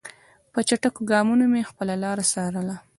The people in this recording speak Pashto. په چټکو ګامونو مې خپله لاره څارله.